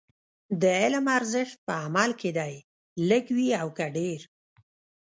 د علم ارزښت په عمل کې دی، لږ وي او که ډېر.